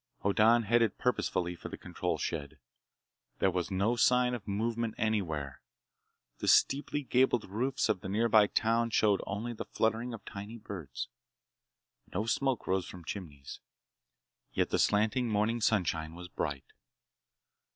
Hoddan headed purposefully for the control shed. There was no sign of movement anywhere. The steeply gabled roofs of the nearby town showed only the fluttering of tiny birds. No smoke rose from chimneys. Yet the slanting morning sunshine was bright.